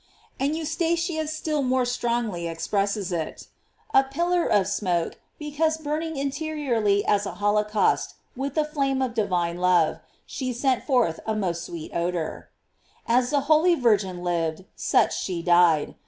* And Eustachius still more strongly expresses it: A pillar of smoke, because burning interiorly as a holocaust with the flame of divine love, she sent forth a most sweet odor.f As the loving Virgin lived, such she died.